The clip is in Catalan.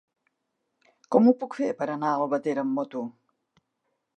Com ho puc fer per anar a Albatera amb moto?